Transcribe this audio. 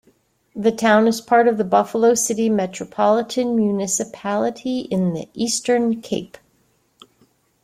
The town is part of the Buffalo City Metropolitan Municipality in the Eastern Cape.